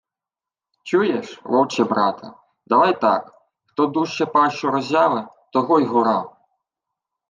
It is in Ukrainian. «Чуєш, вовче-брате, давай так: хто дужче пащу роззяве, того й гора».